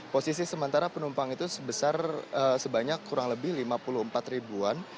posisi sementara penumpang itu sebesar sebanyak kurang lebih lima puluh empat ribuan